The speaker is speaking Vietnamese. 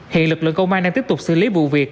hiện lực lượng công an đang tiếp tục xử lý vụ việc